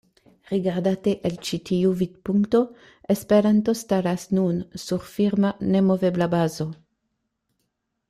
Rigardate el ĉi tiu vidpunkto, Esperanto staras nun sur firma, nemovebla bazo.